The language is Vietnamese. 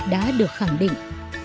đã được khẳng định